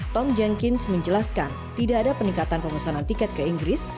tom jengkins menjelaskan tidak ada peningkatan pemesanan tiket ke inggris